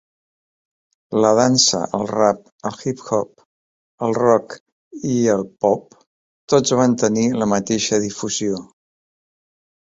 La dansa, el rap, el hip-hop, el rock i el pop, tots van tenir la mateixa difusió.